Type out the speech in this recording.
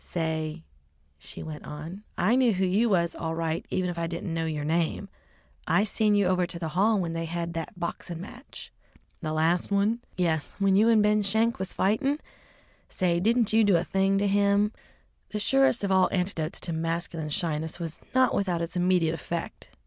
"Say," she went on, "I knew who you was all right even if I didn't know yer name. I seen you over to the hall when they had the boxin' match." "The last one?" "Yes, when you and Ben Schenk was fightin'. Say, you didn't do a thing to him!" The surest of all antidotes to masculine shyness was not without its immediate effect.